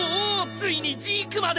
ついにジークまで！